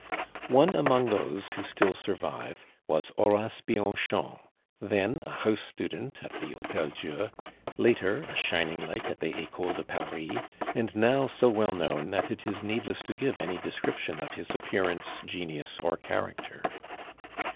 One among those who still survive was Horace Bianchon, then a house student at the Hotel Dieu; later, a shining light at the Ecole de Paris, and now so well known that it is needless to give any description of his appearance, genius, or character.